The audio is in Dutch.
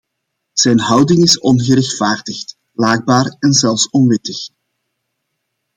Zijn houding is ongerechtvaardigd, laakbaar en zelfs onwettig.